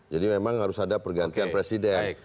jadi memang harus ada pergantian presiden